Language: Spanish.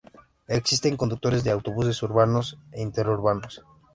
Existen conductores de autobuses urbanos e interurbanos.